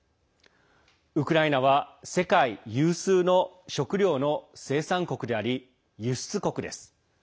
ウクライナは世界有数の食料の生産国であり輸出国です。